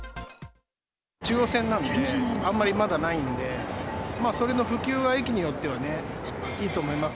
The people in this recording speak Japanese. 中央線なんで、あんまりまだないんで、それの普及は、駅によってはいいと思いま